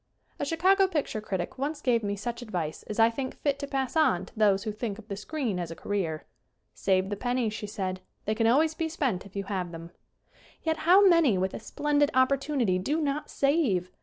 A Chicago picture critic once gave me such advice as I think fit to pass on to those who think of the screen as a career. "Save the pen nies," she said, "they can always be spent if you have them." Yet how many, with a splendid opportunity, do not save